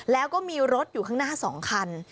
แล้วก็มีรถอยู่ข้างหน้า๒คัน